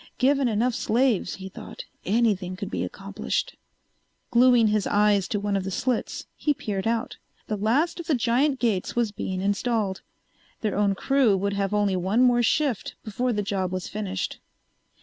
Given enough slaves, he thought, anything could be accomplished. Gluing his eyes to one of the slits, he peered out. The last of the giant gates was being installed. Their own crew would have only one more shift before the job was finished.